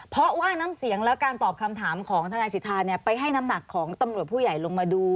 เพราะว่าน้ำเสียงและการตอบคำถามของทนายสิทธาไปให้น้ำหนักของตำรวจผู้ใหญ่ลงมาดู